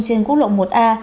trên quốc lộ một a